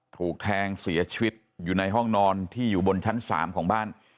ถูกแทงเสียชีวิตอยู่ในห้องนอนที่อยู่บนชั้น๓ของบ้าน